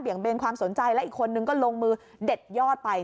เบนความสนใจและอีกคนนึงก็ลงมือเด็ดยอดไป